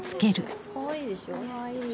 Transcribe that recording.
かわいいでしょ？